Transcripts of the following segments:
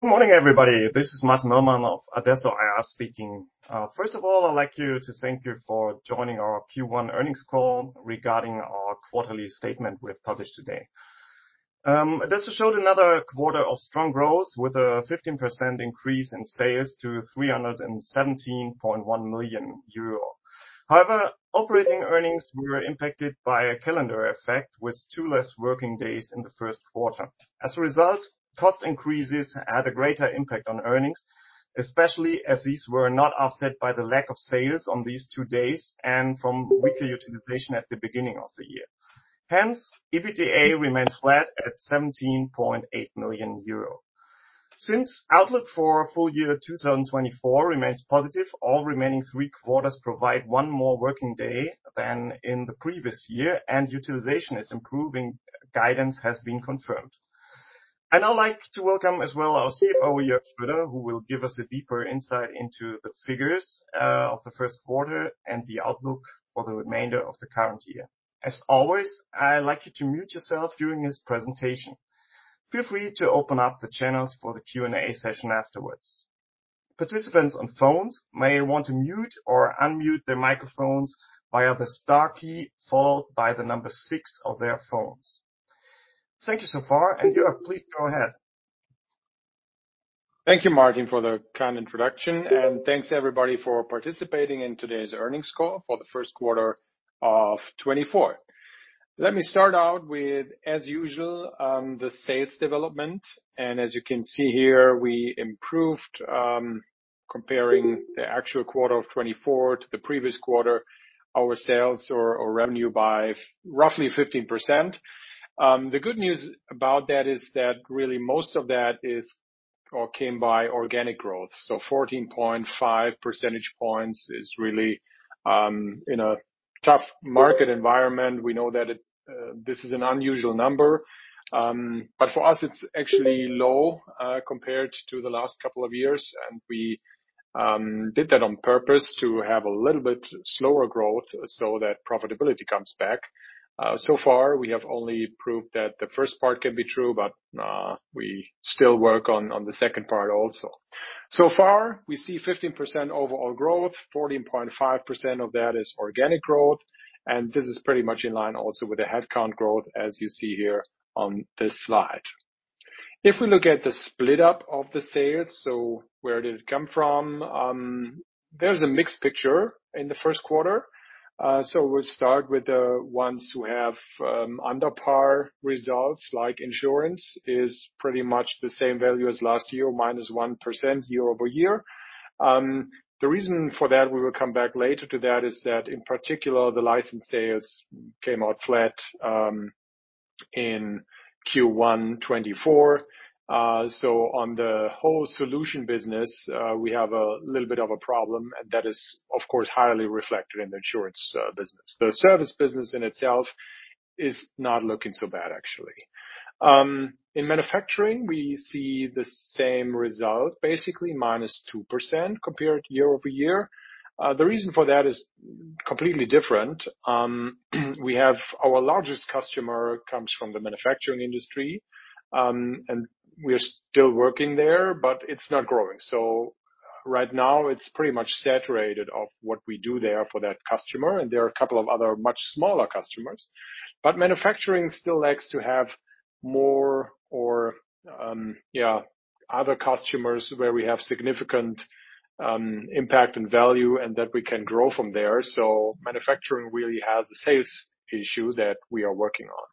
Good morning, everybody. This is Martin Möllmann of Adesso SE speaking. First of all, I'd like you to thank you for joining our Q1 earnings call regarding our quarterly statement we have published today. Adesso showed another quarter of strong growth with a 15% increase in sales to 317.1 million euro. However, operating earnings were impacted by a calendar effect, with two less working days in the Q1. As a result, cost increases had a greater impact on earnings, especially as these were not offset by the lack of sales on these two days and from weaker utilization at the beginning of the year. Hence, EBITDA remains flat at 17.8 million euro. Since outlook for full year 2024 remains positive, all remaining three quarters provide one more working day than in the previous year, and utilization is improving, guidance has been confirmed. I'd now like to welcome as well our CFO, Jörg Schroeder, who will give us a deeper insight into the figures of the Q1 and the outlook for the remainder of the current year. As always, I'd like you to mute yourself during his presentation. Feel free to open up the channels for the Q&A session afterwards. Participants on phones may want to mute or unmute their microphones via the star key, followed by the number six on their phones. Thank you so far, and Jörg, please go ahead. Thank you, Martin, for the kind introduction, and thanks, everybody, for participating in today's earnings call for the Q1 of 2024. Let me start out with, as usual, the sales development. As you can see here, we improved, comparing the actual quarter of 2024 to the previous quarter, our sales or revenue by roughly 15%. The good news about that is that really most of that is or came by organic growth. So 14.5 percentage points is really in a tough market environment. We know that it's an unusual number, but for us, it's actually low, compared to the last couple of years, and we did that on purpose to have a little bit slower growth so that profitability comes back. So far, we have only proved that the first part can be true, but we still work on the second part also. So far, we see 15% overall growth. 14.5% of that is organic growth, and this is pretty much in line also with the headcount growth, as you see here on this slide. If we look at the split up of the sales, so where did it come from? There's a mixed picture in the Q1. So we'll start with the ones who have under par results, like insurance is pretty much the same value as last year, minus 1% year-over-year. The reason for that, we will come back later to that, is that in particular, the license sales came out flat in Q1 2024. So on the whole solution business, we have a little bit of a problem, and that is, of course, highly reflected in the insurance business. The service business in itself is not looking so bad, actually. In manufacturing, we see the same result, basically -2% year-over-year. The reason for that is completely different. We have our largest customer comes from the manufacturing industry, and we are still working there, but it's not growing. So right now, it's pretty much saturated of what we do there for that customer, and there are a couple of other much smaller customers. But manufacturing still likes to have more other customers where we have significant impact and value and that we can grow from there. So manufacturing really has a sales issue that we are working on.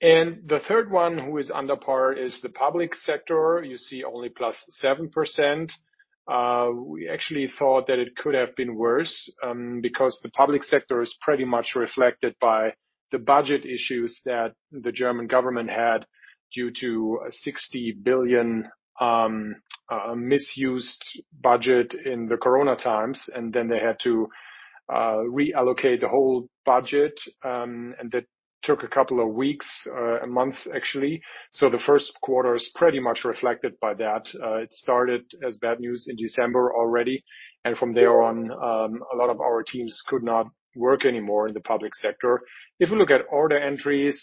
The third one, who is under par, is the public sector. You see only +7%. We actually thought that it could have been worse, because the public sector is pretty much reflected by the budget issues that the German government had due to a 60 billion misused budget in the Corona times, and then they had to reallocate the whole budget. That took a couple of weeks and months, actually. The Q1 is pretty much reflected by that. It started as bad news in December already, and from there on, a lot of our teams could not work anymore in the public sector. If we look at order entries,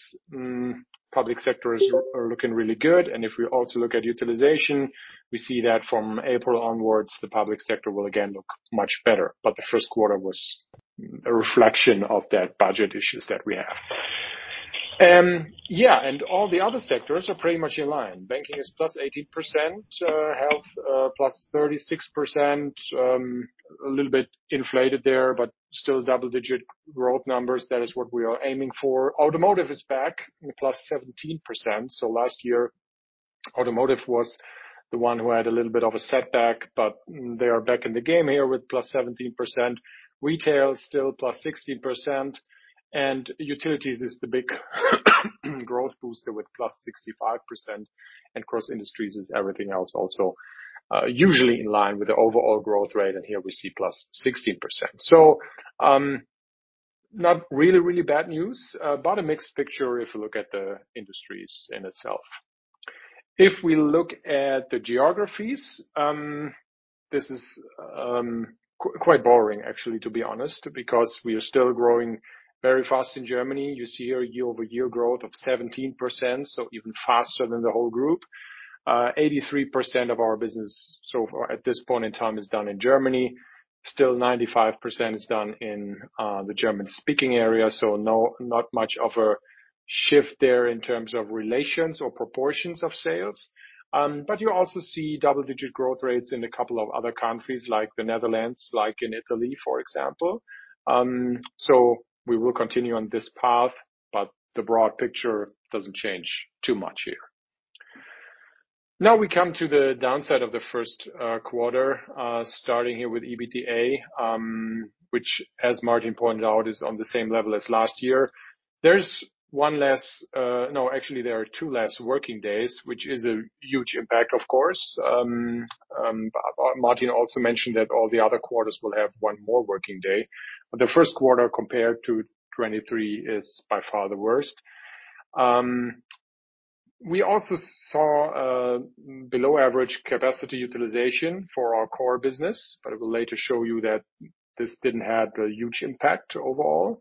public sectors are looking really good. And if we also look at utilization, we see that from April onwards, the public sector will again look much better. But the Q1 was a reflection of that budget issues that we have. Yeah, and all the other sectors are pretty much in line. Banking is +18%, health +36%, a little bit inflated there, but still double-digit growth numbers. That is what we are aiming for. Automotive is back in the +17%. So last year, automotive was the one who had a little bit of a setback, but they are back in the game here with +17%. Retail, still +16%, and utilities is the big growth booster with +65%. And cross industries is everything else also, usually in line with the overall growth rate, and here we see +16%. So, not really really bad news, but a mixed picture if you look at the industries in itself. If we look at the geographies, this is quite boring actually, to be honest, because we are still growing very fast in Germany. You see our year-over-year growth of 17%, so even faster than the whole group. 83% of our business so far at this point in time is done in Germany. Still, 95% is done in the German-speaking area, so not much of a shift there in terms of relations or proportions of sales. But you also see double-digit growth rates in a couple of other countries, like the Netherlands, like in Italy, for example. So we will continue on this path, but the broad picture doesn't change too much here. Now we come to the downside of the Q1, starting here with EBITDA, which, as Martin pointed out, is on the same level as last year. There's one less... no, actually, there are two less working days, which is a huge impact, of course. Martin also mentioned that all the other quarters will have one more working day, but the Q1 compared to 2023 is by far the worst. We also saw below average capacity utilization for our core business, but I will later show you that this didn't have a huge impact overall.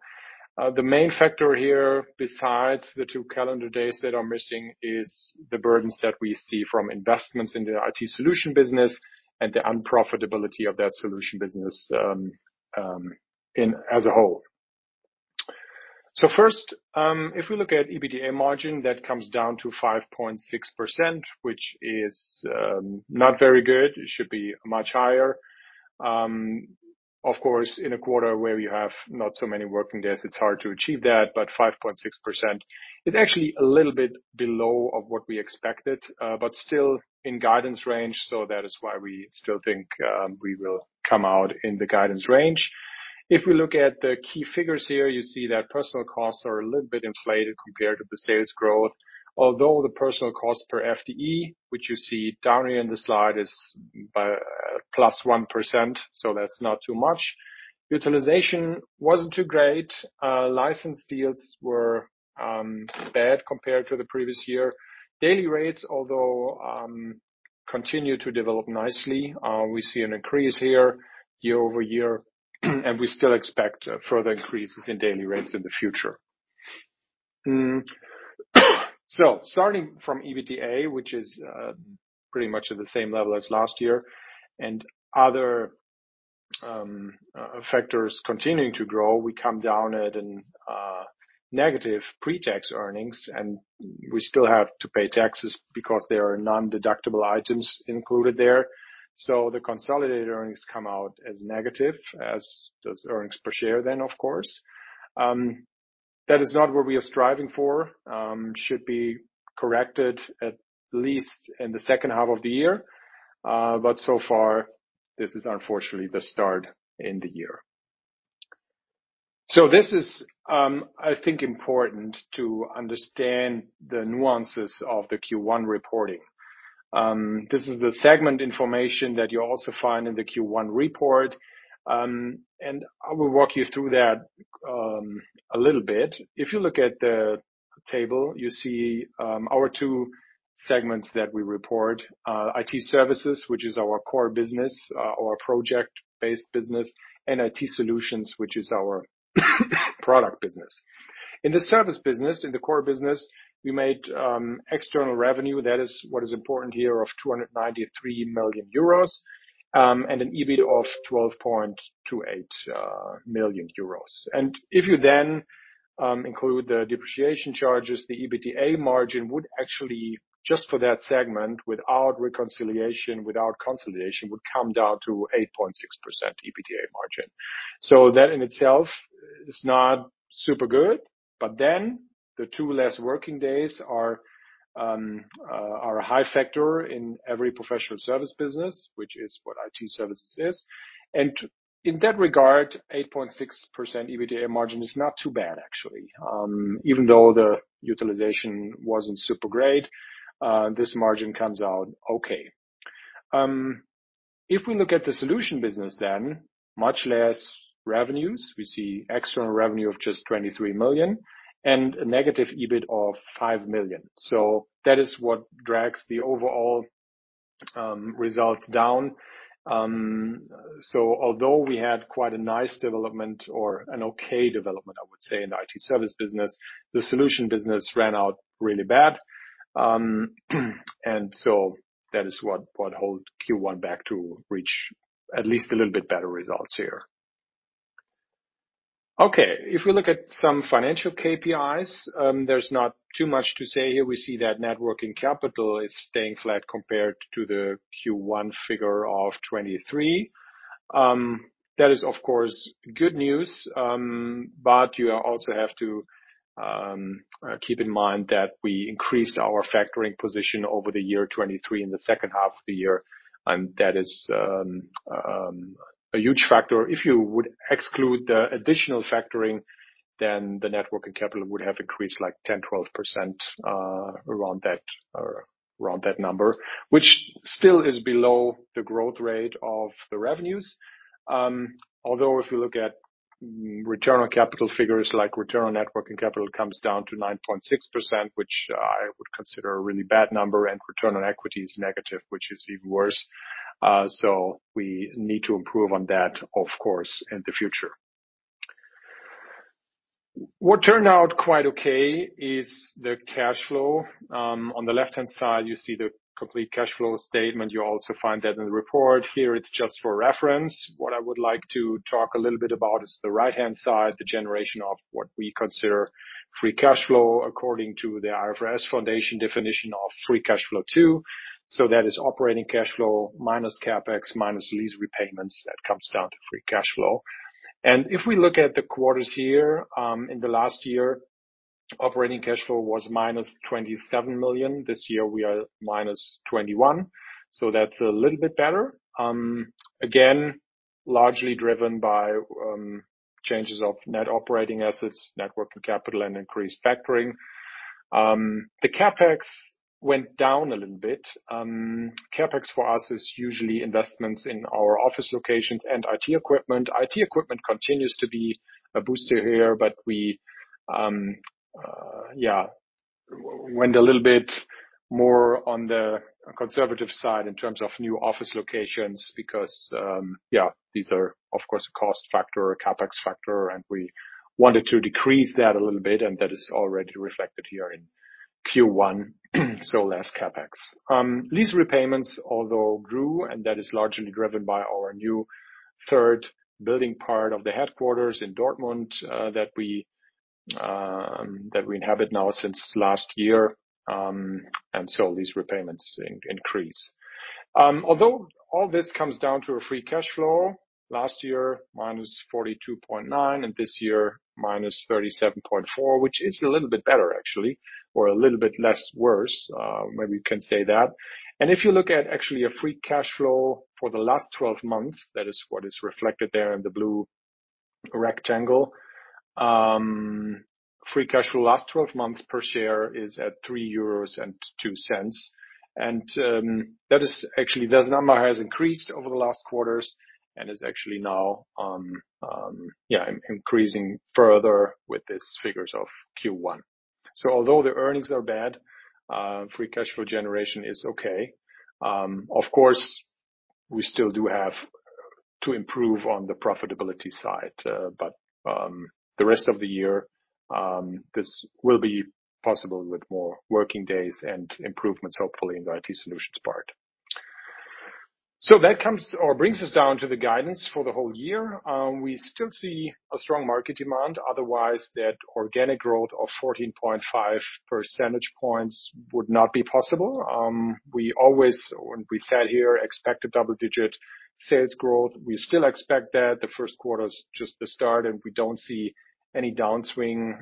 The main factor here, besides the two calendar days that are missing, is the burdens that we see from investments in the IT solution business and the unprofitability of that solution business, as a whole. So first, if we look at EBITDA margin, that comes down to 5.6%, which is not very good. It should be much higher. Of course, in a quarter where you have not so many working days, it's hard to achieve that, but 5.6% is actually a little bit below of what we expected, but still in guidance range, so that is why we still think we will come out in the guidance range. If we look at the key figures here, you see that personnel costs are a little bit inflated compared to the sales growth, although the personnel cost per FTE, which you see down here in the slide, is by plus 1%, so that's not too much. Utilization wasn't too great. License deals were bad compared to the previous year. Daily rates, although, continue to develop nicely, we see an increase here year-over-year, and we still expect further increases in daily rates in the future. So starting from EBITDA, which is, pretty much at the same level as last year, and other factors continuing to grow, we come down at a negative pre-tax earnings, and we still have to pay taxes because there are non-deductible items included there. So the consolidated earnings come out as negative, as does earnings per share, then, of course. That is not what we are striving for, should be corrected at least in the H2 of the year. But so far, this is unfortunately the start in the year. So this is, I think, important to understand the nuances of the Q1 reporting. This is the segment information that you also find in the Q1 report, and I will walk you through that, a little bit. If you look at the table, you see, our two segments that we report, IT services, which is our core business, our project-based business, and IT solutions, which is our product business. In the service business, in the core business, we made, external revenue, that is what is important here, of 293 million euros, and an EBIT of 12.28 million euros. And if you then, include the depreciation charges, the EBITDA margin would actually, just for that segment, without reconciliation, without consolidation, would come down to 8.6% EBITDA margin. So that in itself is not super good, but then the two less working days are a high factor in every professional service business, which is what IT services is. In that regard, 8.6% EBITDA margin is not too bad, actually. Even though the utilization wasn't super great, this margin comes out okay. If we look at the solution business then, much less revenues. We see external revenue of just 23 million and a negative EBIT of 5 million. So that is what drags the overall results down. Although we had quite a nice development or an okay development, I would say, in the IT service business, the solution business ran out really bad. So that is what held Q1 back to reach at least a little bit better results here. Okay, if we look at some financial KPIs, there's not too much to say here. We see that net working capital is staying flat compared to the Q1 figure of 23. That is, of course, good news, but you also have to keep in mind that we increased our factoring position over the year 2023 in the H2 of the year, and that is a huge factor. If you would exclude the additional factoring, then the net working capital would have increased, like, 10%-12%, around that or around that number, which still is below the growth rate of the revenues. Although if you look at-... Return on capital figures, like return on net working capital, comes down to 9.6%, which I would consider a really bad number, and return on equity is negative, which is even worse. So we need to improve on that, of course, in the future. What turned out quite okay is the cash flow. On the left-hand side, you see the complete cash flow statement. You'll also find that in the report. Here, it's just for reference. What I would like to talk a little bit about is the right-hand side, the generation of what we consider free cash flow according to the IFRS Foundation definition of free cash flow, too. So that is operating cash flow minus CapEx, minus lease repayments, that comes down to free cash flow. If we look at the quarters here, in the last year, operating cash flow was -27 million. This year, we ar -21 million, so that's a little bit better. Again, largely driven by, changes of net operating assets, net working capital, and increased factoring. The CapEx went down a little bit. CapEx for us is usually investments in our office locations and IT equipment. IT equipment continues to be a booster here, but we, yeah, went a little bit more on the conservative side in terms of new office locations because, yeah, these are, of course, a cost factor, a CapEx factor, and we wanted to decrease that a little bit, and that is already reflected here in Q1, so less CapEx. Lease repayments, although grew, and that is largely driven by our new third building part of the headquarters in Dortmund, that we inhabit now since last year. And so these repayments increase. Although all this comes down to a free cash flow, last year, -42.9, and this year, -37.4, which is a little bit better, actually, or a little bit less worse, maybe you can say that. And if you look at actually a free cash flow for the last 12 months, that is what is reflected there in the blue rectangle. Free cash flow last 12 months per share is at 3.02 euros. And, that is actually, that number has increased over the last quarters and is actually now, yeah, increasing further with these figures of Q1. So although the earnings are bad, free cash flow generation is okay. Of course, we still do have to improve on the profitability side, but, the rest of the year, this will be possible with more working days and improvements, hopefully, in the IT solutions part. So that comes or brings us down to the guidance for the whole year. We still see a strong market demand, otherwise, that organic growth of 14.5 percentage points would not be possible. We always, when we sat here, expect a double-digit sales growth. We still expect that. The Q1 is just the start, and we don't see any downswing,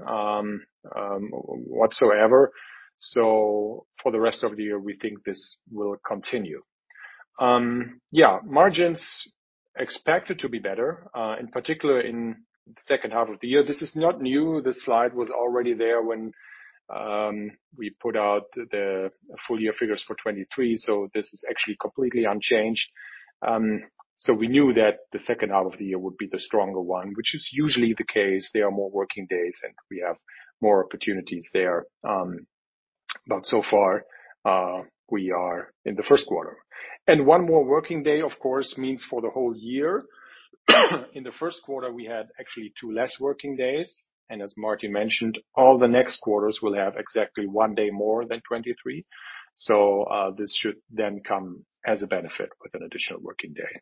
whatsoever. So for the rest of the year, we think this will continue. Yeah, margins expected to be better, in particular in the H2 of the year. This is not new. This slide was already there when we put out the full year figures for 2023, so this is actually completely unchanged. So we knew that the H2 of the year would be the stronger one, which is usually the case. There are more working days, and we have more opportunities there, but so far we are in the Q1. One more working day, of course, means for the whole year. In the Q1, we had actually 2 less working days, and as Martin mentioned, all the next quarters will have exactly 1 day more than 2023. So this should then come as a benefit with an additional working day.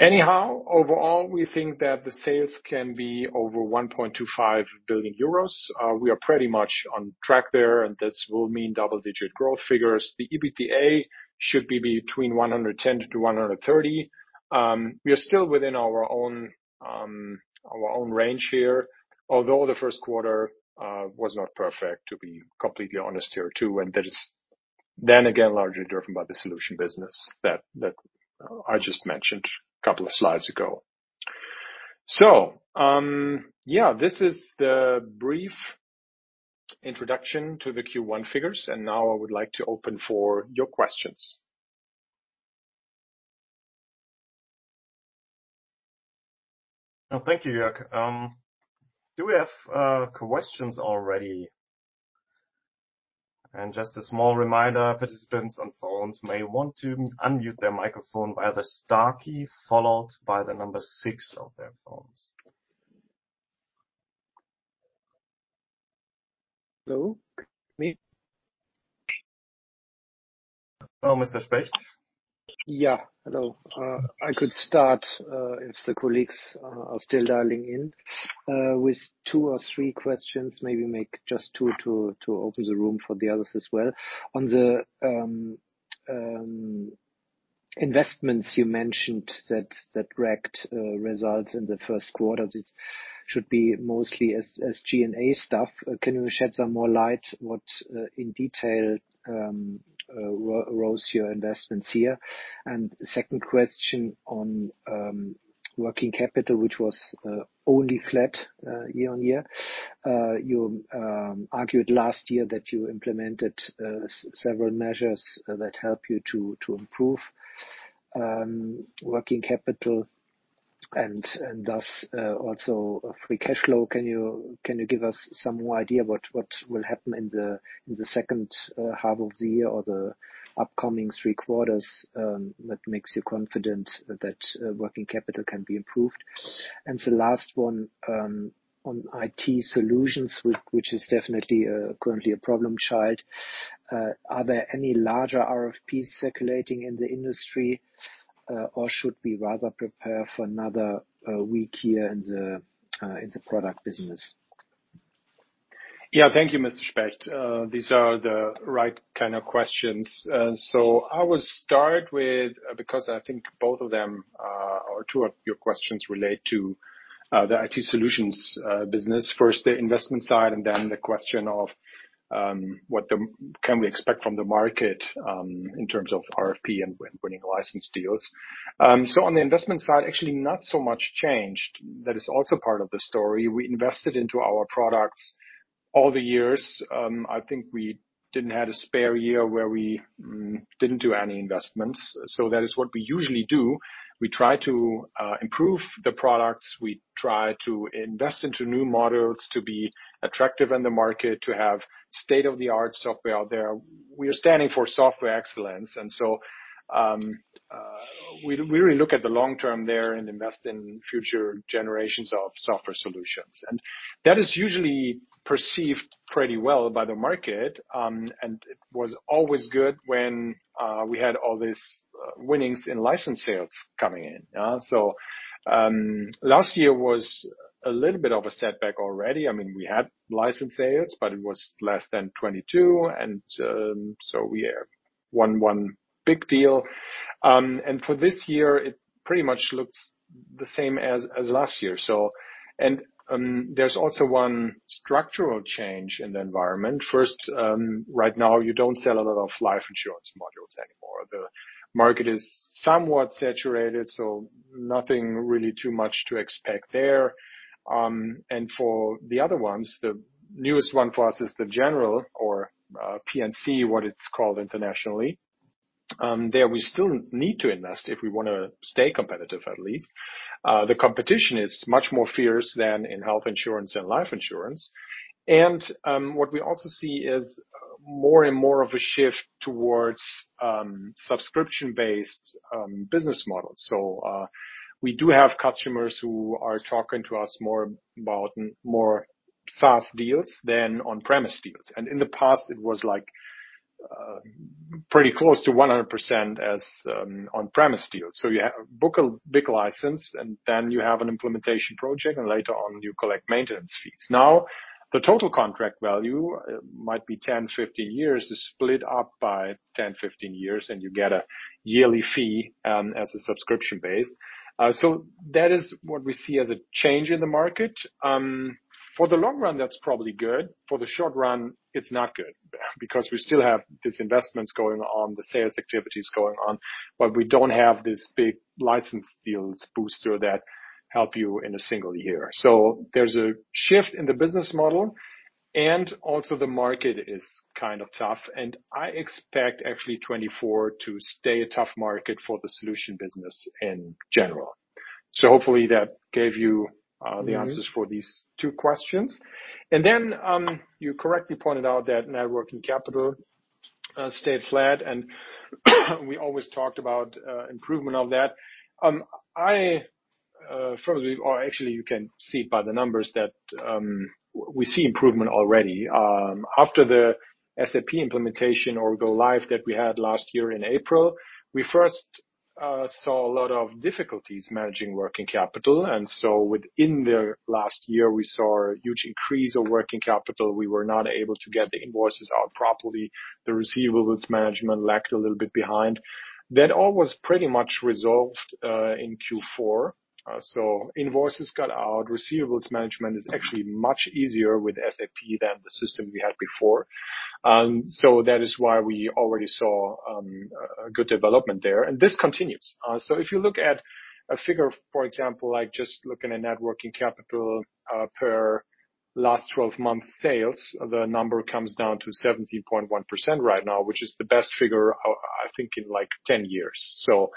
Anyhow, overall, we think that the sales can be over 1.25 billion euros. We are pretty much on track there, and this will mean double-digit growth figures. The EBITDA should be between 110-130. We are still within our own, our own range here, although the Q1 was not perfect, to be completely honest here, too. And that is, then again, largely driven by the solution business that I just mentioned a couple of slides ago. So, yeah, this is the brief introduction to the Q1 figures, and now I would like to open for your questions. Oh, thank you, Jörg. Do we have questions already? And just a small reminder, participants on phones may want to unmute their microphone by the star key, followed by the number six on their phones. Hello, me. Oh, Mr. Specht. Yeah, hello. I could start, if the colleagues are still dialing in, with two or three questions, maybe make just two to open the room for the others as well. On the investments you mentioned that wrecked results in the Q1, it should be mostly SG&A stuff. Can you shed some more light what in detail rose your investments here? And the second question on working capital, which was only flat year-on-year. You argued last year that you implemented several measures that help you to improve working capital and thus also a free cash flow. Can you give us some more idea what will happen in the H2 of the year or the upcoming three quarters that makes you confident that working capital can be improved? And the last one, on IT solutions, which is definitely currently a problem child. Are there any larger RFPs circulating in the industry, or should we rather prepare for another weak year in the product business? Yeah, thank you, Mr. Specht. These are the right kind of questions. So I will start with, because I think both of them, or two of your questions relate to, the IT solutions business. First, the investment side, and then the question of what can we expect from the market in terms of RFP and winning license deals. So on the investment side, actually not so much changed. That is also part of the story. We invested into our products all the years. I think we didn't have a spare year where we didn't do any investments. So that is what we usually do. We try to improve the products. We try to invest into new models to be attractive in the market, to have state-of-the-art software out there. We are standing for software excellence, and so, we really look at the long term there and invest in future generations of software solutions. And that is usually perceived pretty well by the market, and it was always good when we had all this wins in license sales coming in? So, last year was a little bit of a setback already. I mean, we had license sales, but it was less than 22, and so we won one big deal. And for this year, it pretty much looks the same as last year. So... And, there's also one structural change in the environment. First, right now, you don't sell a lot of life insurance modules anymore. The market is somewhat saturated, so nothing really too much to expect there. And for the other ones, the newest one for us is the general or P&C, what it's called internationally. There, we still need to invest if we wanna stay competitive, at least. The competition is much more fierce than in health insurance and life insurance. And what we also see is more and more of a shift towards subscription-based business models. So we do have customers who are talking to us more about more SaaS deals than on-premise deals. And in the past, it was like pretty close to 100% as on-premise deals. So you have book a big license, and then you have an implementation project, and later on, you collect maintenance fees. Now, the total contract value might be 10-15 years, is split up by 10-15 years, and you get a yearly fee as a subscription base. So that is what we see as a change in the market. For the long run, that's probably good. For the short run, it's not good, because we still have these investments going on, the sales activities going on, but we don't have this big license deals booster that help you in a single year. So there's a shift in the business model, and also the market is kind of tough, and I expect actually 2024 to stay a tough market for the solution business in general. So hopefully that gave you the answers for these two questions. And then, you correctly pointed out that net working capital stayed flat, and we always talked about improvement of that. I firmly, or actually, you can see by the numbers that we see improvement already. After the SAP implementation or go live that we had last year in April, we first saw a lot of difficulties managing working capital, and so within the last year, we saw a huge increase of working capital. We were not able to get the invoices out properly. The receivables management lacked a little bit behind. That all was pretty much resolved in Q4. So invoices got out. Receivables management is actually much easier with SAP than the system we had before. So that is why we already saw a good development there, and this continues. So if you look at a figure, for example, like just looking at net working capital per last 12-month sales, the number comes down to 17.1% right now, which is the best figure, I think, in, like, 10 years. So,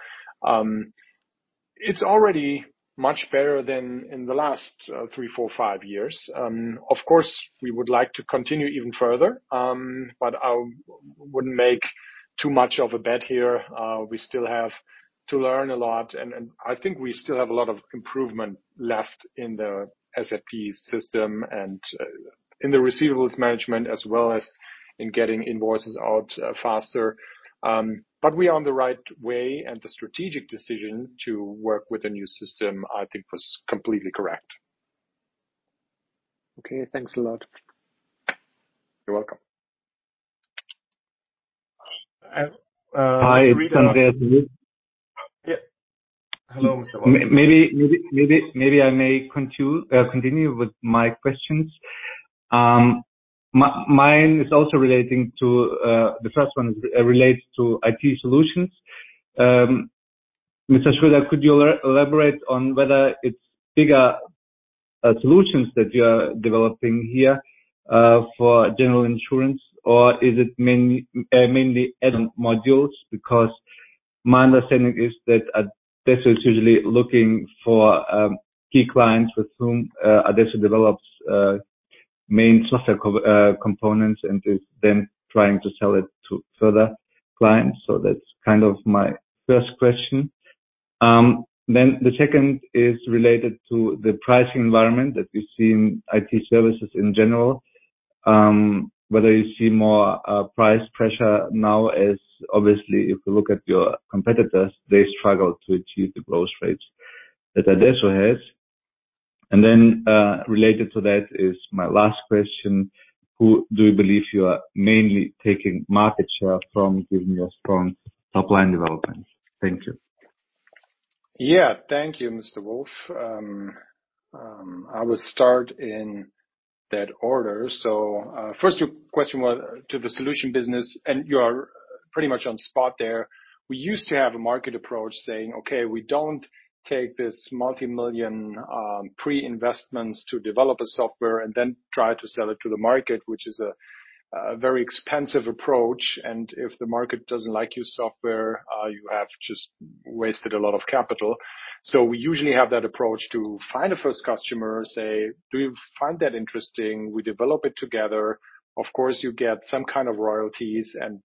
it's already much better than in the last three, four, five years. Of course, we would like to continue even further, but I wouldn't make too much of a bet here. We still have to learn a lot, and I think we still have a lot of improvement left in the SAP system and in the receivables management, as well as in getting invoices out faster. But we are on the right way, and the strategic decision to work with a new system, I think, was completely correct. Okay. Thanks a lot. You're welcome. Hi, it's Andreas. Yeah. Hello, Mr. Wolf. Maybe I may continue with my questions. Mine is also relating to the first one, relates to IT solutions. Mr. Schroeder, could you elaborate on whether it's bigger-... solutions that you are developing here, for general insurance, or is it mainly add-on modules? Because my understanding is that Adesso is usually looking for key clients with whom Adesso develops main software components and is then trying to sell it to further clients. So that's kind of my first question. Then the second is related to the pricing environment that we see in IT services in general. Whether you see more price pressure now, as obviously, if you look at your competitors, they struggle to achieve the growth rates that Adesso has. And then, related to that is my last question: Who do you believe you are mainly taking market share from, given your strong top line development? Thank you. Yeah, thank you, Mr. Wolf. I will start in that order. So, first, your question was to the solution business, and you are pretty much on spot there. We used to have a market approach, saying, "Okay, we don't take this multimillion pre-investments to develop a software and then try to sell it to the market," which is a very expensive approach, and if the market doesn't like your software, you have just wasted a lot of capital. So we usually have that approach to find a first customer, say, "Do you find that interesting? We develop it together. Of course, you get some kind of royalties, and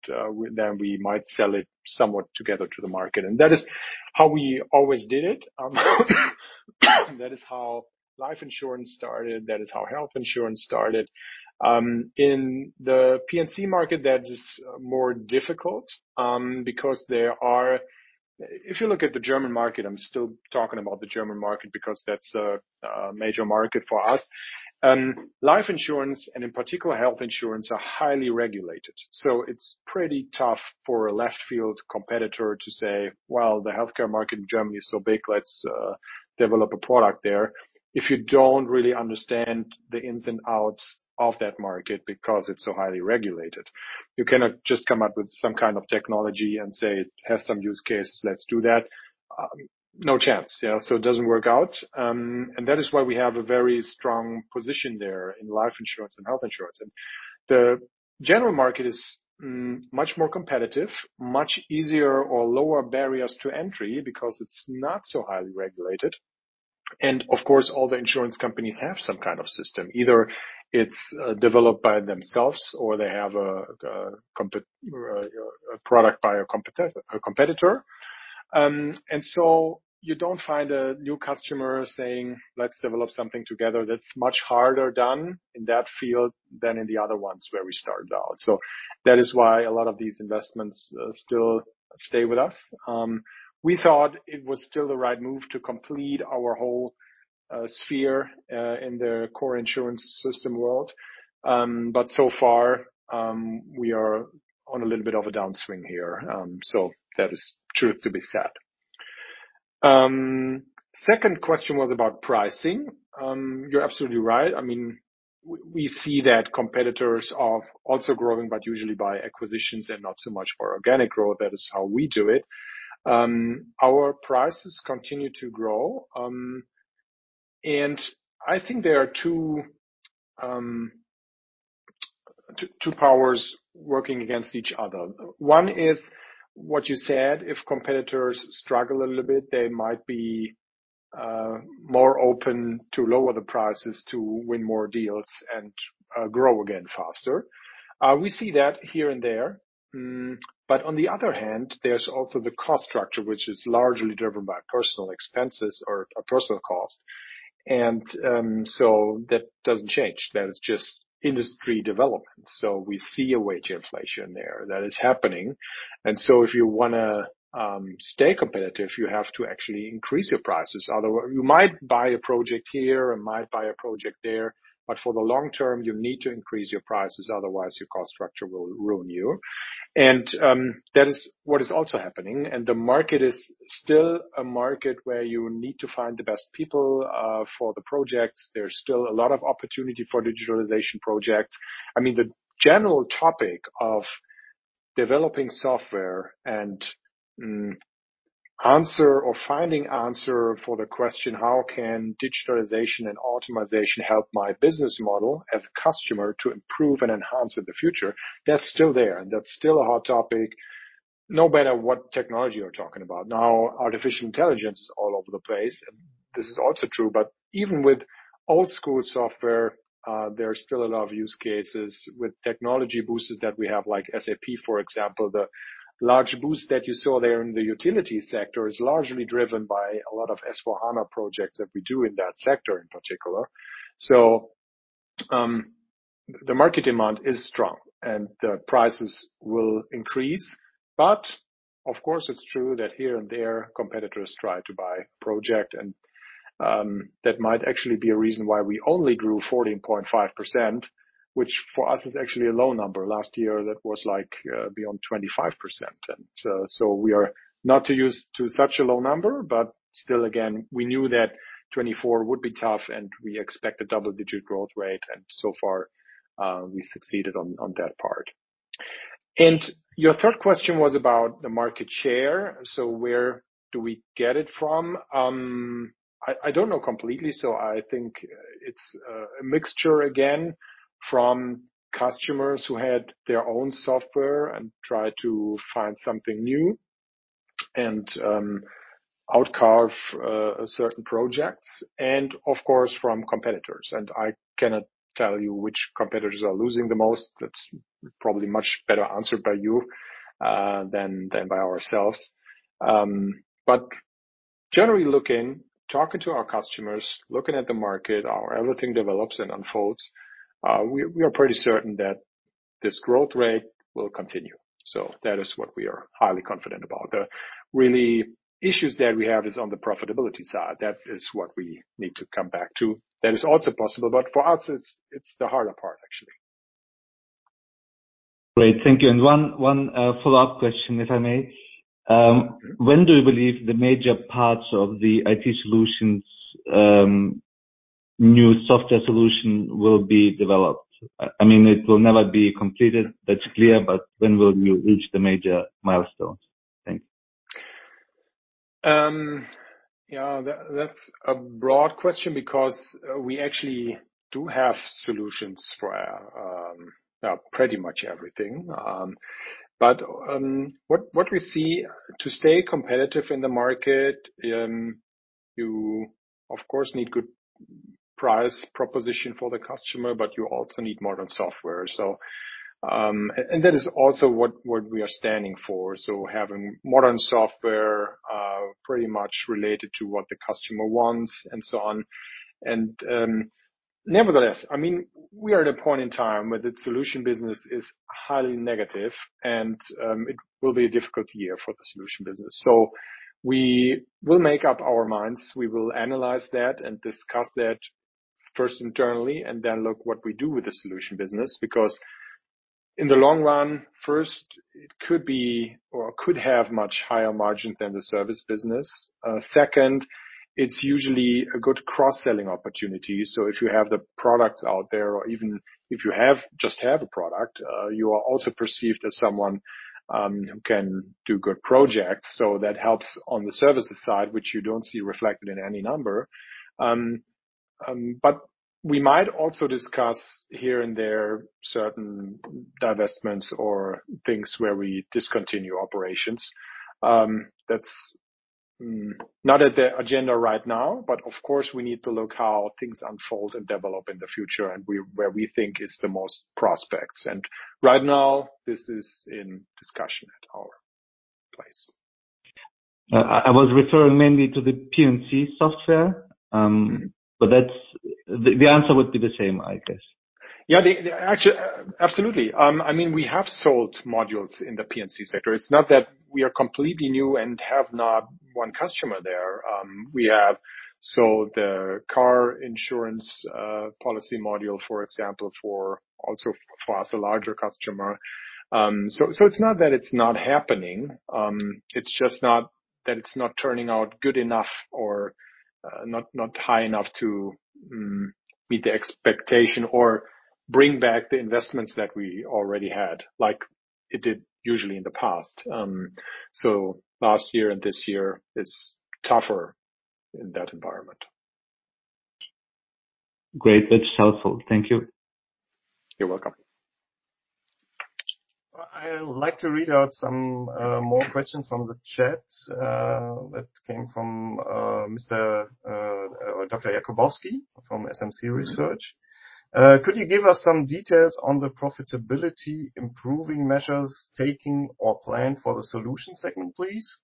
then we might sell it somewhat together to the market." And that is how we always did it. That is how life insurance started, that is how health insurance started. In the P&C market, that is more difficult, because there are... If you look at the German market, I'm still talking about the German market because that's a major market for us. Life insurance, and in particular, health insurance, are highly regulated, so it's pretty tough for a left field competitor to say, "Well, the healthcare market in Germany is so big, let's develop a product there," if you don't really understand the ins and outs of that market because it's so highly regulated. You cannot just come up with some kind of technology and say, "It has some use case, let's do that." No chance, yeah? So it doesn't work out. And that is why we have a very strong position there in life insurance and health insurance. The general market is much more competitive, much easier or lower barriers to entry because it's not so highly regulated. And of course, all the insurance companies have some kind of system. Either it's developed by themselves, or they have a product by a competitor. And so you don't find a new customer saying, "Let's develop something together." That's much harder done in that field than in the other ones where we started out. So that is why a lot of these investments still stay with us. We thought it was still the right move to complete our whole sphere in the core insurance system world. But so far, we are on a little bit of a downswing here. So that is truth to be said. Second question was about pricing. You're absolutely right. I mean, we see that competitors are also growing, but usually by acquisitions and not so much for organic growth. That is how we do it. Our prices continue to grow, and I think there are two powers working against each other. One is what you said: if competitors struggle a little bit, they might be more open to lower the prices to win more deals and grow again faster. We see that here and there. But on the other hand, there's also the cost structure, which is largely driven by personal expenses or personal cost. So that doesn't change. That is just industry development. We see a wage inflation there. That is happening. So if you wanna stay competitive, you have to actually increase your prices. Otherwise, you might buy a project here and might buy a project there, but for the long term, you need to increase your prices, otherwise, your cost structure will ruin you. That is what is also happening, and the market is still a market where you need to find the best people for the projects. There's still a lot of opportunity for digitalization projects. I mean, the general topic of developing software and answer or finding answer for the question: How can digitalization and automation help my business model as a customer to improve and enhance in the future? That's still there, and that's still a hot topic, no matter what technology you're talking about. Now, artificial intelligence is all over the place, and this is also true, but even with old-school software, there are still a lot of use cases with technology boosters that we have, like SAP, for example. The large boost that you saw there in the utility sector is largely driven by a lot of S/4HANA projects that we do in that sector in particular. So, the market demand is strong, and the prices will increase. But, of course, it's true that here and there, competitors try to buy project, and, that might actually be a reason why we only grew 14.5%, which for us is actually a low number. Last year, that was like, beyond 25%. And, so we are not to use to such a low number, but still, again, we knew that 2024 would be tough, and we expect a double-digit growth rate, and so far, we succeeded on that part. And your third question was about the market share. So where do we get it from? I don't know completely, so I think it's a mixture, again, from customers who had their own software and tried to find something new, and outcarve certain projects, and of course, from competitors. And I cannot tell you which competitors are losing the most. That's probably much better answered by you than by ourselves. But generally looking, talking to our customers, looking at the market, how everything develops and unfolds, we are pretty certain that this growth rate will continue. So that is what we are highly confident about. The real issues that we have is on the profitability side. That is what we need to come back to. That is also possible, but for us, it's the harder part, actually. Great, thank you. One follow-up question, if I may. When do you believe the major parts of the IT solutions, new software solution will be developed? I mean, it will never be completed, that's clear, but when will you reach the major milestones? Thank you. Yeah, that's a broad question because we actually do have solutions for pretty much everything. But what we see to stay competitive in the market, you of course need good price proposition for the customer, but you also need modern software. So, and that is also what we are standing for. So having modern software pretty much related to what the customer wants and so on. And nevertheless, I mean, we are at a point in time where the solution business is highly negative, and it will be a difficult year for the solution business. So we will make up our minds. We will analyze that and discuss that first internally, and then look what we do with the solution business, because in the long run, first, it could be or could have much higher margin than the service business. Second, it's usually a good cross-selling opportunity. So if you have the products out there, or even if you have, just have a product, you are also perceived as someone who can do good projects. So that helps on the services side, which you don't see reflected in any number. But we might also discuss here and there, certain divestments or things where we discontinue operations. That's not at the agenda right now, but of course, we need to look how things unfold and develop in the future, and where we think is the most prospects. Right now, this is in discussion at our place. I was referring mainly to the P&C software, but that's... The answer would be the same, I guess. Yeah, absolutely. I mean, we have sold modules in the P&C sector. It's not that we are completely new and have not one customer there. We have sold the car insurance policy module, for example, also for us, a larger customer. So, it's not that it's not happening. It's just not that it's not turning out good enough or not high enough to meet the expectation or bring back the investments that we already had, like it did usually in the past. So last year and this year is tougher in that environment. Great, that's helpful. Thank you. You're welcome. I would like to read out some more questions from the chat that came from Mr. or Dr. Jakubowski from SMC Research. Could you give us some details on the profitability improving measures taking or planned for the solution segment, please?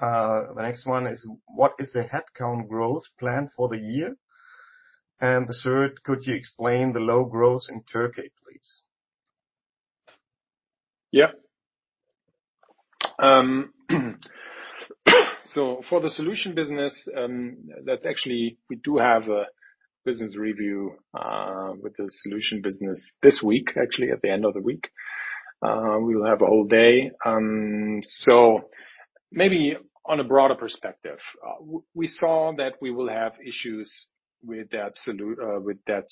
The next one is: What is the headcount growth plan for the year? And the third: Could you explain the low growth in Turkey, please? Yeah. So for the solution business, that's actually we do have a business review with the solution business this week. Actually, at the end of the week. We will have a whole day. So maybe on a broader perspective, we saw that we will have issues with that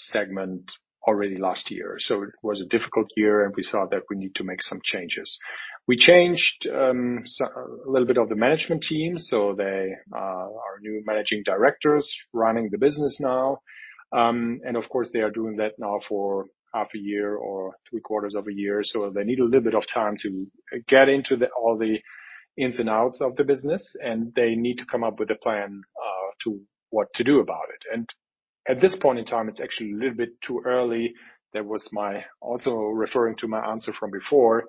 segment already last year. So it was a difficult year, and we saw that we need to make some changes. We changed some, a little bit of the management team, so they are new managing directors running the business now. Of course, they are doing that now for half a year or three quarters of a year, so they need a little bit of time to get into all the ins and outs of the business, and they need to come up with a plan to what to do about it. And at this point in time, it's actually a little bit too early. That was my... Also referring to my answer from before,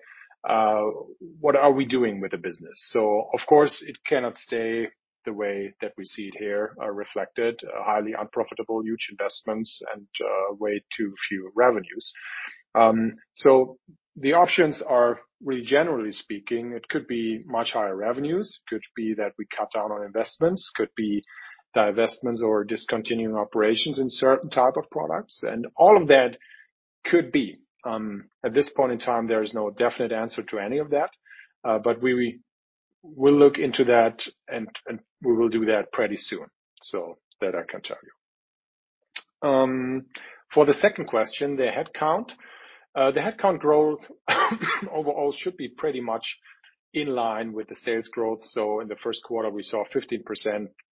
what are we doing with the business? So of course, it cannot stay the way that we see it here reflected, highly unprofitable, huge investments and way too few revenues. So the options are, really generally speaking, it could be much higher revenues, could be that we cut down on investments, could be divestments or discontinuing operations in certain type of products, and all of that could be. At this point in time, there is no definite answer to any of that, but we will look into that, and we will do that pretty soon, so that I can tell you. For the second question, the headcount. The headcount growth, overall should be pretty much in line with the sales growth. So in the Q1, we saw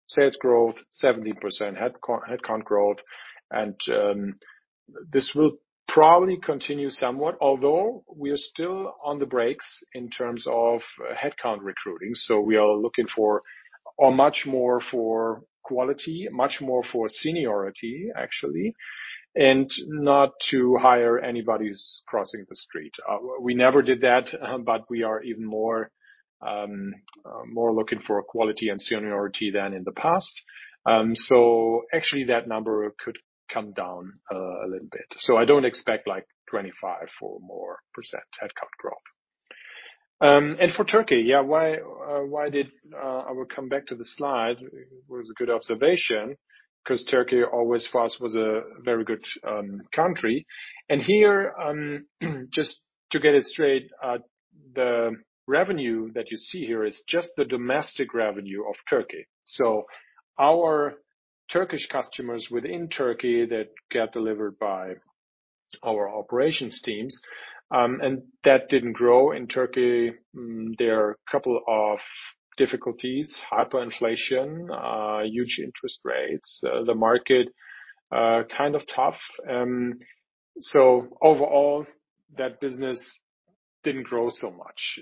15% sales growth, 17% headcount growth. And this will probably continue somewhat, although we are still on the brakes in terms of headcount recruiting. So we are looking for, or much more for quality, much more for seniority, actually, and not to hire anybody who's crossing the street. We never did that, but we are even more, more looking for quality and seniority than in the past. So actually, that number could come down, a little bit. So I don't expect like 25% or more headcount growth. And for Turkey, yeah, why, why did, I will come back to the slide. It was a good observation, 'cause Turkey always for us, was a very good country. And here, just to get it straight, the revenue that you see here is just the domestic revenue of Turkey. So our Turkish customers within Turkey that get delivered by our operations teams, and that didn't grow in Turkey. There are a couple of difficulties: hyperinflation, huge interest rates, the market, kind of tough. So overall, that business didn't grow so much.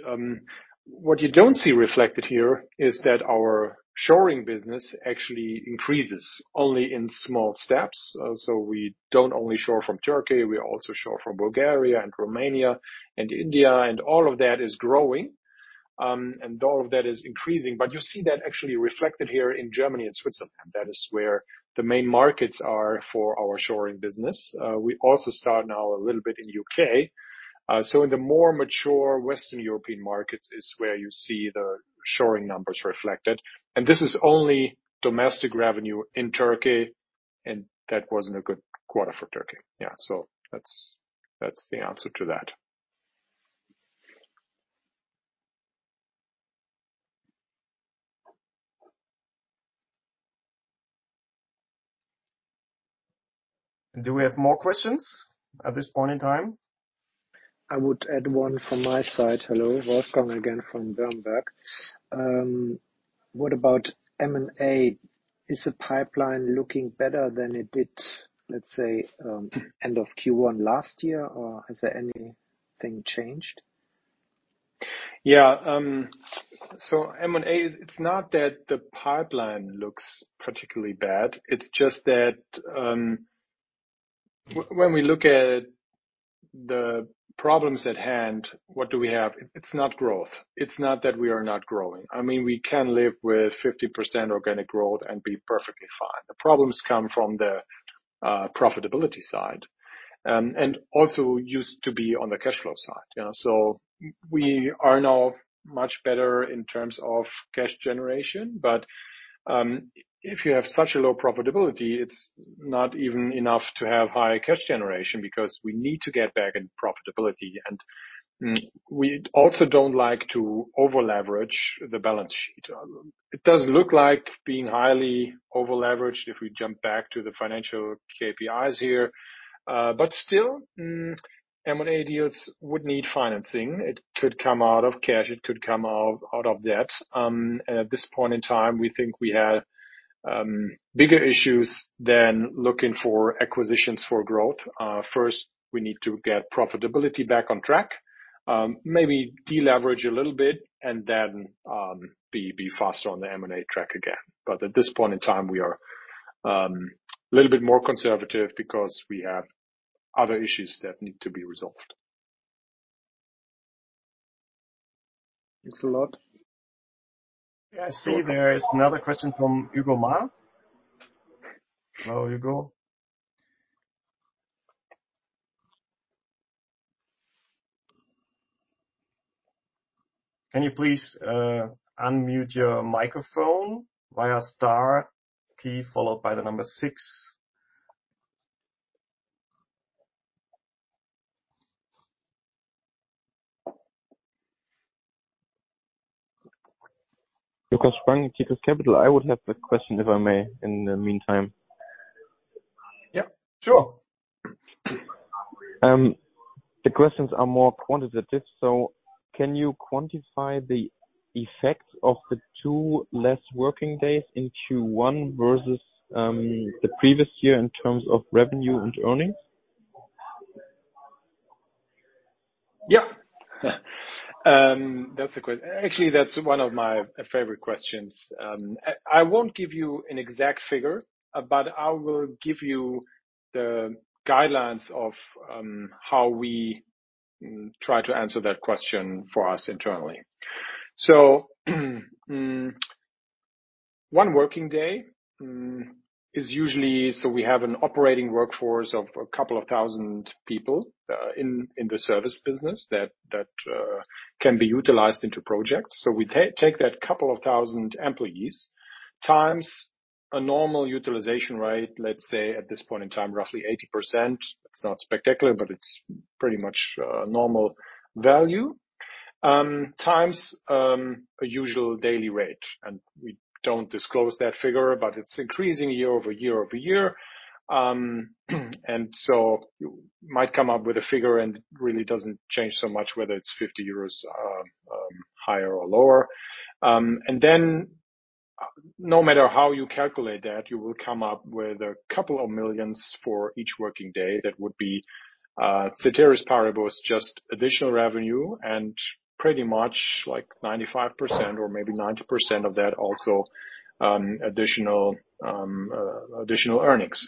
What you don't see reflected here is that our shoring business actually increases only in small steps. So we don't only shore from Turkey, we also shore from Bulgaria and Romania and India, and all of that is growing, and all of that is increasing. But you see that actually reflected here in Germany and Switzerland. That is where the main markets are for our shoring business. We also start now a little bit in U.K. So in the more mature Western European markets is where you see the shoring numbers reflected. And this is only domestic revenue in Turkey, and that wasn't a good quarter for Turkey. Yeah, so that's, that's the answer to that. Do we have more questions at this point in time? I would add one from my side. Hello, Wolfgang again from Bankhaus Lampe. What about M&A? Is the pipeline looking better than it did, let's say, end of Q1 last year, or has there anything changed? Yeah, so M&A, it's not that the pipeline looks particularly bad, it's just that, when we look at the problems at hand, what do we have? It's not growth. It's not that we are not growing. I mean, we can live with 50% organic growth and be perfectly fine. The problems come from the profitability side, and also used to be on the cash flow side, you know? So we are now much better in terms of cash generation, but, if you have such a low profitability, it's not even enough to have high cash generation, because we need to get back in profitability, and we also don't like to over-leverage the balance sheet. It does look like being highly over-leveraged if we jump back to the financial KPIs here. But still, M&A deals would need financing. It could come out of cash, it could come out of debt. At this point in time, we think we have bigger issues than looking for acquisitions for growth. First, we need to get profitability back on track, maybe deleverage a little bit, and then be faster on the M&A track again. But at this point in time, we are little bit more conservative because we have other issues that need to be resolved. Thanks a lot. I see there is another question from Hugo Ma. Hello, Hugo. Can you please unmute your microphone via star key, followed by the number six? Hugo Sprung, Tikus Capital. I would have a question, if I may, in the meantime. Yeah, sure. The questions are more quantitative, so can you quantify the effects of the two less working days in Q1 versus the previous year in terms of revenue and earnings? Yeah. Actually, that's one of my favorite questions. I won't give you an exact figure, but I will give you the guidelines of how we try to answer that question for us internally. So, one working day is usually... So we have an operating workforce of a couple of thousand people in the service business, that can be utilized into projects. So we take that couple of thousand employees, times a normal utilization rate, let's say, at this point in time, roughly 80%. It's not spectacular, but it's pretty much normal value.... Times a usual daily rate, and we don't disclose that figure, but it's increasing year over year over year. And so you might come up with a figure, and it really doesn't change so much whether it's 50 euros higher or lower. And then no matter how you calculate that, you will come up with a couple of million EUR for each working day. That would be, ceteris paribus, just additional revenue and pretty much like 95% or maybe 90% of that also additional earnings.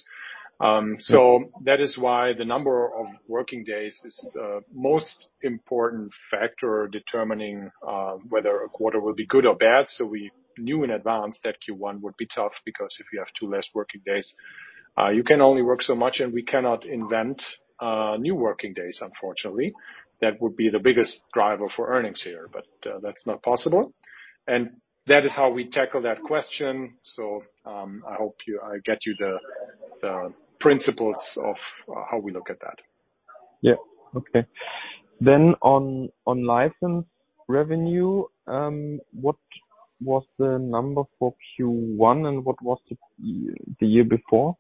So that is why the number of working days is the most important factor determining whether a quarter will be good or bad. So we knew in advance that Q1 would be tough, because if you have two less working days, you can only work so much, and we cannot invent new working days unfortunately. That would be the biggest driver for earnings here, but that's not possible. That is how we tackle that question. So, I hope I get you the principles of how we look at that. Yeah. Okay. Then on license revenue, what was the number for Q1, and what was it the year before?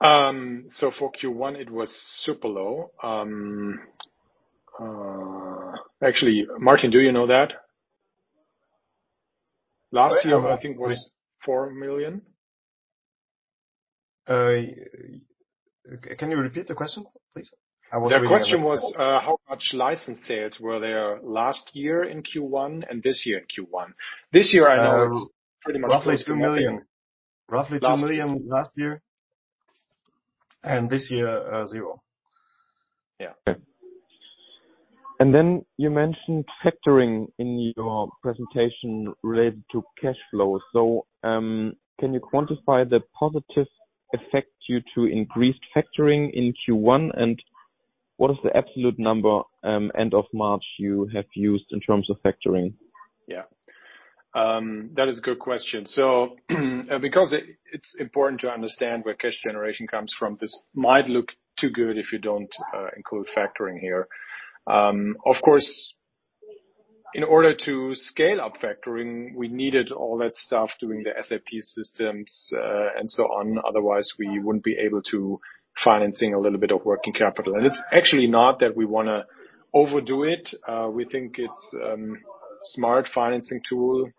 So for Q1, it was super low. Actually, Martin, do you know that? Last year, I think, was 4 million. Can you repeat the question, please? I was- The question was, how much license sales were there last year in Q1 and this year in Q1. This year, I know it's pretty much- Roughly 2 million. Roughly 2 million last year. This year, 0. Yeah. Okay. And then you mentioned factoring in your presentation related to cash flow. So, can you quantify the positive effect due to increased factoring in Q1, and what is the absolute number, end of March you have used in terms of factoring? Yeah. That is a good question. So, because it, it's important to understand where cash generation comes from, this might look too good if you don't include factoring here. Of course, in order to scale up factoring, we needed all that stuff, doing the SAP systems, and so on. Otherwise, we wouldn't be able to financing a little bit of working capital. And it's actually not that we wanna overdo it. We think it's a smart financing tool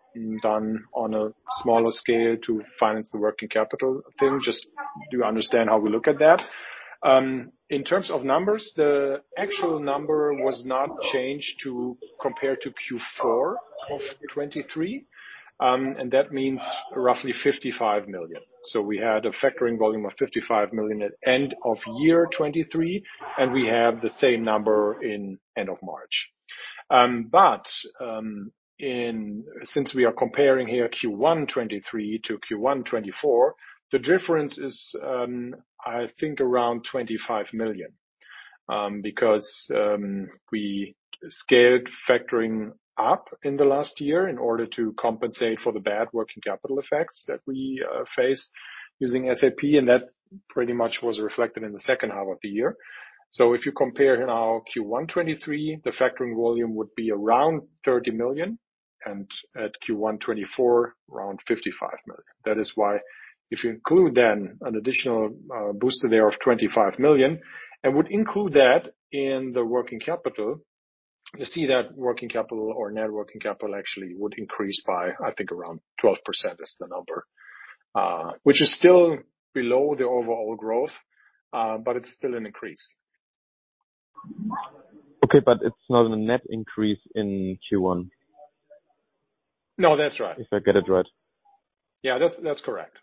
done on a smaller scale to finance the working capital thing. Just you understand how we look at that. In terms of numbers, the actual number was not changed to compared to Q4 of 2023. And that means roughly 55 million. So we had a factoring volume of 55 million at end of year 2023, and we have the same number in end of March. Since we are comparing here Q1 2023 to Q1 2024, the difference is, I think, around 25 million. Because we scaled factoring up in the last year in order to compensate for the bad working capital effects that we faced using SAP, and that pretty much was reflected in the H2 of the year. So if you compare now Q1 2023, the factoring volume would be around 30 million, and at Q1 2024, around 55 million. That is why if you include then an additional booster there of 25 million and would include that in the working capital, you see that working capital or net working capital actually would increase by, I think, around 12% is the number. Which is still below the overall growth, but it's still an increase. Okay, but it's not a net increase in Q1? No, that's right. If I get it right. Yeah, that's, that's correct.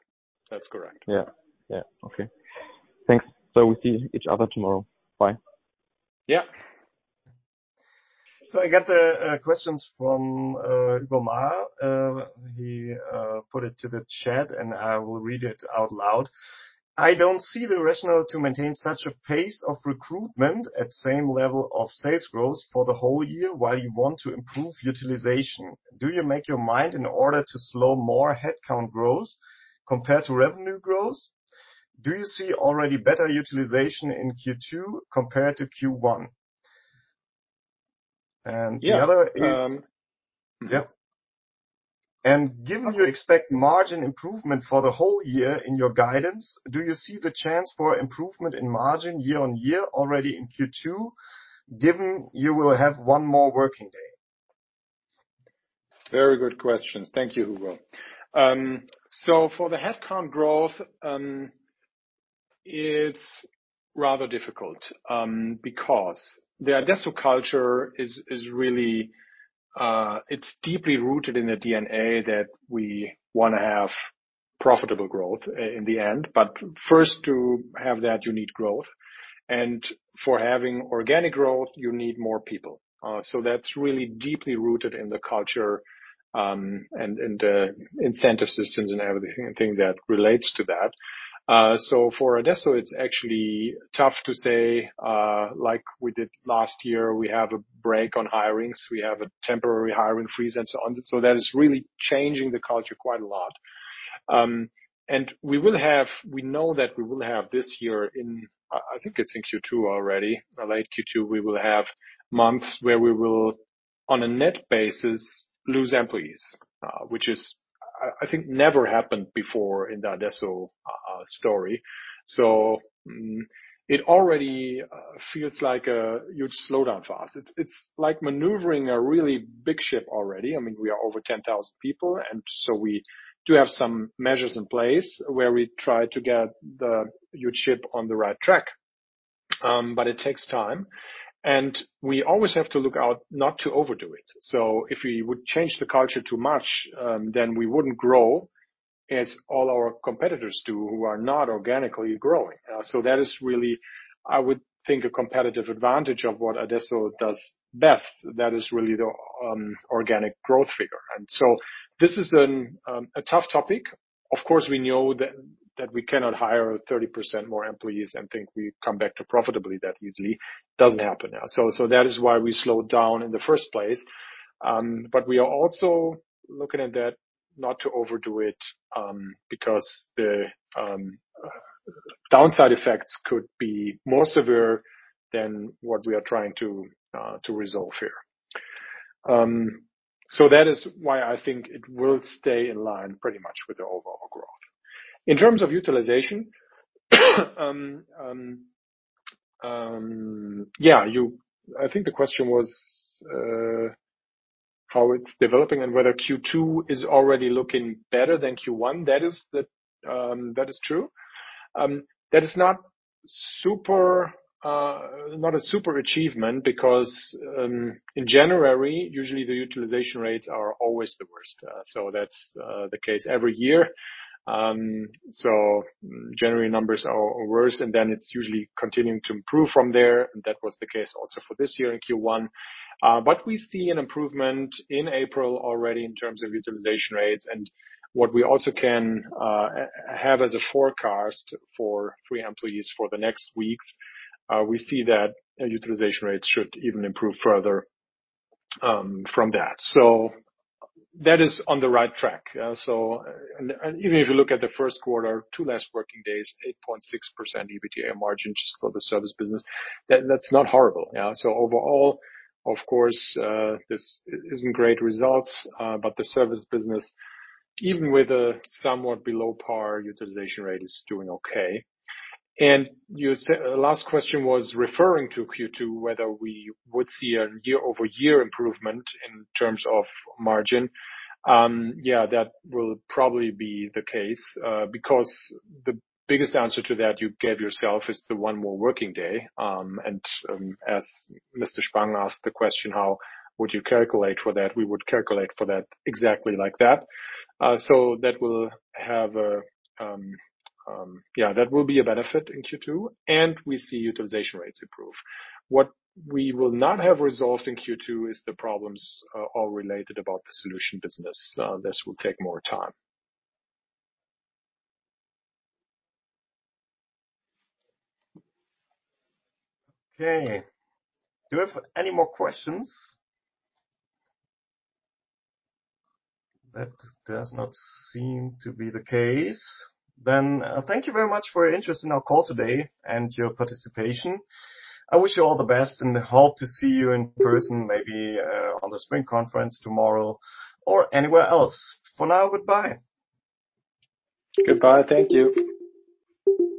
That's correct. Yeah. Yeah. Okay. Thanks. So we'll see each other tomorrow. Bye. Yeah. So I got the questions from Omar. He put it to the chat, and I will read it out loud: I don't see the rationale to maintain such a pace of recruitment at same level of sales growth for the whole year while you want to improve utilization. Do you make your mind in order to slow more headcount growth compared to revenue growth? Do you see already better utilization in Q2 compared to Q1? And the other is- Yeah. Yep. Given you expect margin improvement for the whole year in your guidance, do you see the chance for improvement in margin year-on-year already in Q2, given you will have one more working day? Very good questions. Thank you, Hugo. So for the headcount growth, it's rather difficult, because the Adesso culture is really deeply rooted in the DNA that we wanna have profitable growth in the end. But first, to have that, you need growth, and for having organic growth, you need more people. So that's really deeply rooted in the culture, and the incentive systems and everything that relates to that. So for Adesso, it's actually tough to say, like we did last year, we have a brake on hirings. We have a temporary hiring freeze and so on. So that is really changing the culture quite a lot. And we will have, we know that we will have this year in, I think it's in Q2 already, or late Q2, we will have months where we will, on a net basis, lose employees, which is, I think, never happened before in the Adesso story. So, it already feels like a huge slowdown for us. It's like maneuvering a really big ship already. I mean, we are over 10,000 people, and so we do have some measures in place where we try to get the huge ship on the right track. But it takes time, and we always have to look out not to overdo it. So if we would change the culture too much, then we wouldn't grow as all our competitors do, who are not organically growing. So that is really, I would think, a competitive advantage of what Adesso does best. That is really the organic growth figure. So this is a tough topic. Of course, we know that we cannot hire 30% more employees and think we come back to profitably that easily. Doesn't happen now. So that is why we slowed down in the first place. But we are also looking at that not to overdo it, because the downside effects could be more severe than what we are trying to to resolve here. So that is why I think it will stay in line pretty much with the overall growth. In terms of utilization, yeah, I think the question was how it's developing and whether Q2 is already looking better than Q1. That is true. That is not super, not a super achievement because in January, usually the utilization rates are always the worst. So that's the case every year. So January numbers are worse, and then it's usually continuing to improve from there, and that was the case also for this year in Q1. But we see an improvement in April already in terms of utilization rates. And what we also can have as a forecast for three employees for the next weeks, we see that utilization rates should even improve further from that. So that is on the right track. Even if you look at the Q1, two less working days, 8.6% EBITDA margin just for the service business, that's not horrible. Yeah, so overall, of course, this isn't great results, but the service business, even with a somewhat below par utilization rate, is doing okay. And you said, last question was referring to Q2, whether we would see a year-over-year improvement in terms of margin. Yeah, that will probably be the case, because the biggest answer to that you gave yourself is the one more working day. And, as Mr. Spang asked the question, "How would you calculate for that?" We would calculate for that exactly like that. So yeah, that will be a benefit in Q2, and we see utilization rates improve. What we will not have resolved in Q2 is the problems, all related about the solution business. This will take more time. Okay. Do you have any more questions? That does not seem to be the case. Thank you very much for your interest in our call today and your participation. I wish you all the best and hope to see you in person, maybe, on the spring conference tomorrow or anywhere else. For now, goodbye. Goodbye. Thank you.